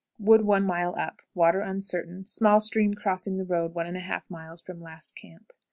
Wood one mile up; water uncertain; small stream crossing the road 1 1/2 miles from last camp.